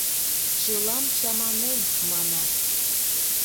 Чылам чаманем, манат.